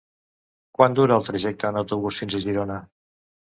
Quant dura el trajecte en autobús fins a Girona?